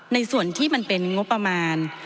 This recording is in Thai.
ในส่วนที่มันเป็นงบประมาณ